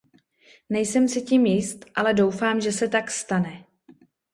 Nejsem si tím jist, ale doufám, že se tak stane.